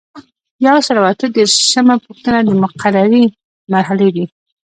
یو سل او اته دیرشمه پوښتنه د مقررې مرحلې دي.